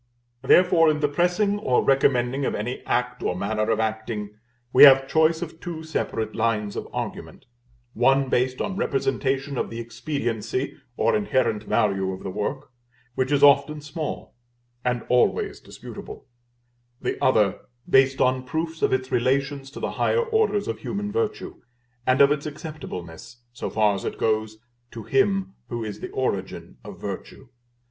Therefore, in the pressing or recommending of any act or manner of acting, we have choice of two separate lines of argument: one based on representation of the expediency or inherent value of the work, which is often small, and always disputable; the other based on proofs of its relations to the higher orders of human virtue, and of its acceptableness, so far as it goes, to Him who is the origin of virtue.